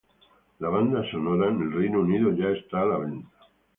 La banda sonora es en Reino Unido ya esta a la venta.